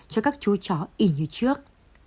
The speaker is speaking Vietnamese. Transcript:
cho các chú chó y như trước